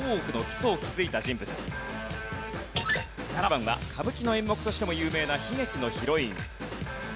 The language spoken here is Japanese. ７番は歌舞伎の演目としても有名な悲劇のヒロイン。